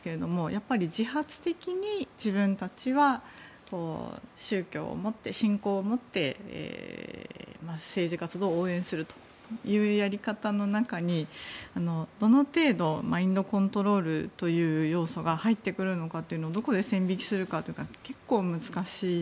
やっぱり自発的に自分たちは宗教を持って、信仰を持って政治活動を応援するというやり方の中にどの程度マインドコントロールという要素が入ってくるのかというのをどこで線引きするかって結構、難しい。